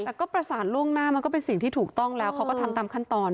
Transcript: แต่ก็ประสานล่วงหน้ามันก็เป็นสิ่งที่ถูกต้องแล้วเขาก็ทำตามขั้นตอน